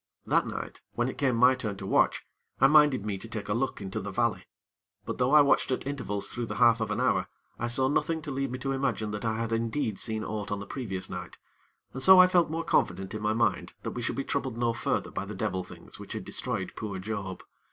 That night, when it came my turn to watch, I minded me to take a look into the valley; but though I watched at intervals through the half of an hour, I saw nothing to lead me to imagine that I had indeed seen aught on the previous night, and so I felt more confident in my mind that we should be troubled no further by the devil things which had destroyed poor Job.